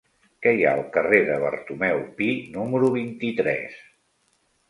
Què hi ha al carrer de Bartomeu Pi número vint-i-tres?